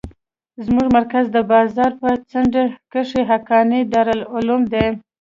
زموږ مرکز د بازار په څنډه کښې حقانيه دارالعلوم دى.